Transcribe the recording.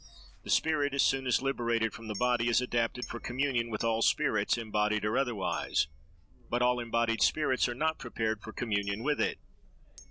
The spirit, as soon as liberated from the body, is adapted for communion with all spirits, embodied or otherwise; but all embodied spirits are not prepared for communion with it.